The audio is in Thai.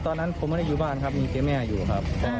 ตอนนั้นผมไม่ได้อยู่บ้านครับมีแต่แม่อยู่ครับ